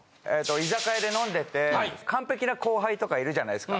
居酒屋で飲んでて完璧な後輩とかいるじゃないですか。